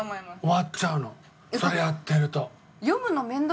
終わっちゃうのそれやってると。